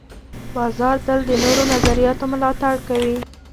بازار تل د نوو نظریاتو ملاتړ کوي.